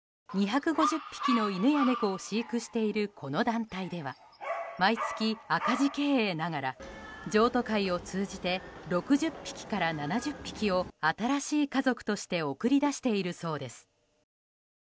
２５０匹の犬や猫を飼育しているこの団体では毎月、赤字経営ながら譲渡会を通じて６０匹から７０匹を新しい家族として送り出しているそうです。